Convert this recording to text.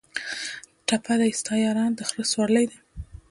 ټپه ده: ستا یارانه د خره سورلي ده